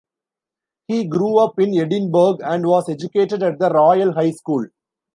He grew up in Edinburgh and was educated at the Royal High School.